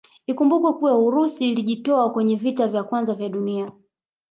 Ikumbukwe kuwa Urusi ilijitoa kwenye vita ya kwanza ya dunia